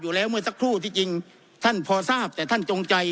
เมื่อสักครู่ที่จริงท่านพอทราบแต่ท่านจงใจ